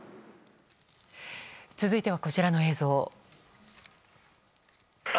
続いては、こちらの映像。